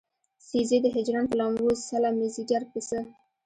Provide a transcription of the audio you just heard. سيزې د هجران پۀ لمبو څله مې ځيګر پۀ څۀ